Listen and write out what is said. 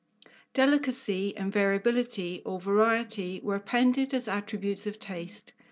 Delicacy and variability or variety were appended as attributes of taste.